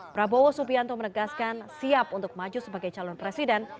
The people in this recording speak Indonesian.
prabowo subianto menegaskan siap untuk maju sebagai calon presiden